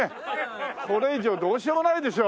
これ以上どうしようもないでしょ。